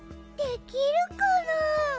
できるかな？